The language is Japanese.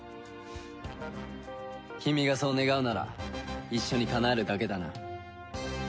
君がそう願うなら一緒にかなえるだけだな。